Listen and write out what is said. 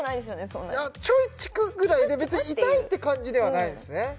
そんなにちょいチクぐらいで別に痛いって感じではないですね